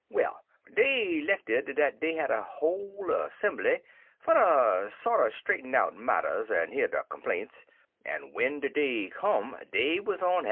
Well, dey 'lected dat dey hatter hol' er 'sembly fer ter sorter straighten out marters en hear de complaints, en w'en de day come dey wuz on han'.